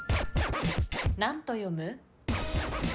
何と読む？